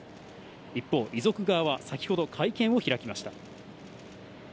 一方、遺族側は先ほど会見を開きました。